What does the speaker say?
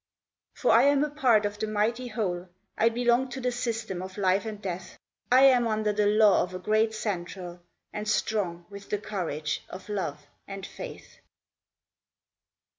For I am a part of the mighty whole; I belong to the system of life and death. I am under the law of a Great Central, And strong with the courage of love and faith.